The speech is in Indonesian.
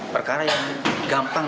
perkara yang gampang dikumpulkan